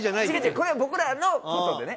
これは僕らの事でね。